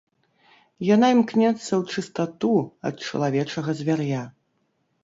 Яна імкнецца ў чыстату ад чалавечага звяр'я.